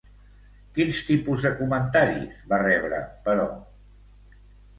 Quins tipus de comentaris va rebre, però?